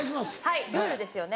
はいルールですよね。